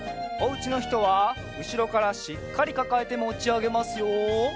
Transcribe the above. おうちのひとはうしろからしっかりかかえてもちあげますよ。